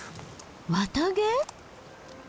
綿毛？